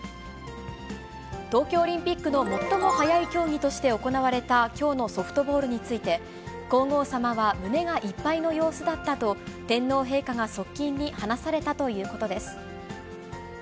東京オリンピックの最も早い競技として行われたきょうのソフトボールについて、皇后さまは胸がいっぱいの様子だったと、天皇陛下が側近に話されたということです。